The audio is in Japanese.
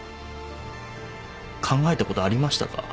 考えたことありましたか？